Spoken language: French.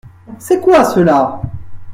C’est quoi ceux-là ?